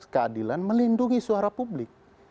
keadilan melindungi suara publik